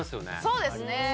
そうですね。